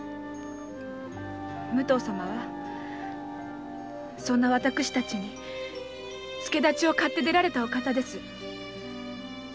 武藤様はそんな私たちに助太刀をかって出られたお方です。